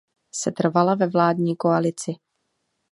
Setrvala ve vládní koalici.